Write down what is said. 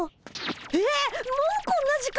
えっもうこんな時間！？